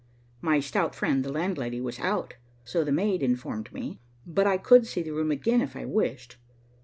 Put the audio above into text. My stout friend the landlady was out, so the maid informed me, but I could see the room again if I wished.